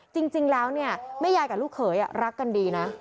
จริงแล้วเนี่ยแม่ยายกับลูกเขยรักกันดีนะ